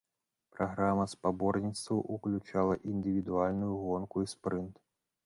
Праграма спаборніцтваў ўключала індывідуальную гонку і спрынт.